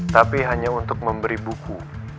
tapi hanya untuk memberi buku